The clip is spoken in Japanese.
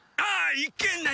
いけない！